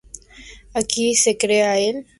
Aquí se crea el primer "tambo".